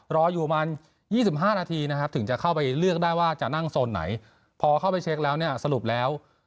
รออยู่ประมาณ๒๕นาทีนะครับถึงจะเข้าไปเลือกได้ว่าจะนั่งโซนไหนพอเข้าไปเช็คแล้วเนี่ยสรุปแล้ว